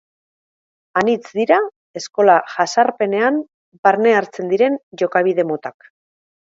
Anitz dira eskola jazarpenean barne hartzen diren jokabide motak.